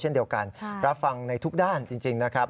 เช่นเดียวกันรับฟังในทุกด้านจริงนะครับ